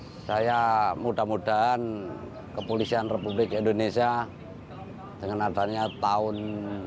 saya mudah mudahan kepolisian republik indonesia dengan adanya tahun